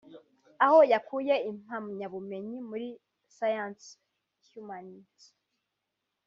aho yakuye impamyabumenyi muri sciences humaines